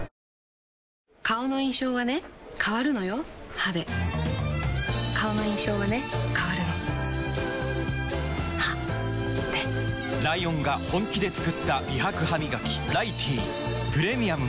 歯で顔の印象はね変わるの歯でライオンが本気で作った美白ハミガキ「ライティー」プレミアムも